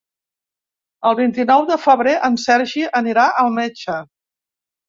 El vint-i-nou de febrer en Sergi anirà al metge.